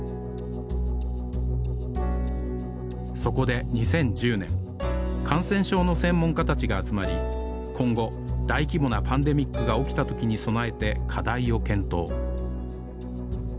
そこで２０１０年感染症の専門家たちが集まり今後大規模なパンデミックが起きた時に備えて課題を検討